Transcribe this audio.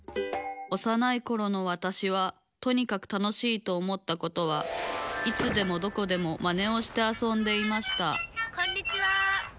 おさないころのわたしはとにかく楽しいと思ったことはいつでもどこでもマネをしてあそんでいましたこんにちは。